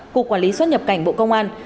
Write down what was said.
cục quản lý xuất nhập cảnh bộ công an